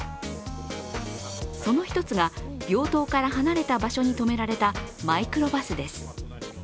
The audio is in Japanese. その１つが、病棟から離れた場所に止められたマイクロバスです。